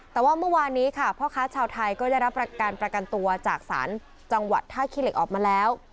แต่ว่าเมื่อวานนี้ค่ะพ่อค้าชาวไทยก็ได้รับการประกันตัวจากศาลจังหวัดท่าขี้เหล็กออกมาแล้ว